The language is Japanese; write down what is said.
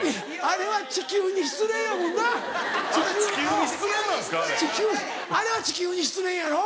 あれは地球に失恋やろ？